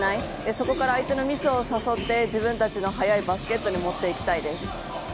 そこから相手のミスを誘って自分たちの速いバスケットに持っていきたいです。